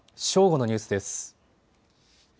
正午のニュースです。